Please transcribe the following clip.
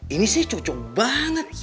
ini sih cocok banget